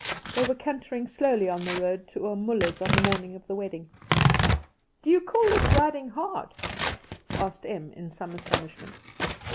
They were cantering slowly on the road to Oom Muller's on the morning of the wedding. "Do you call this riding hard?" asked Em in some astonishment.